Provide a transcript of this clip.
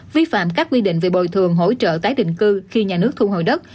vi phạm các quy định về bồi thường hỗ trợ tái định cư khi nhà nước thu hồi đất